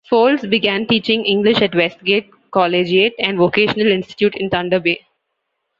Foulds began teaching English at Westgate Collegiate and Vocational Institute in Thunder Bay.